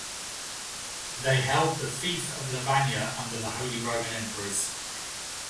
They held the fief of Lavagna under the Holy Roman Emperors.